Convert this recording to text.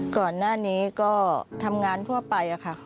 ก่อนหน้านี้ก็ทำงานทั่วไปค่ะ